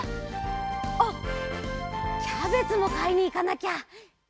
あっキャベツもかいにいかなきゃ。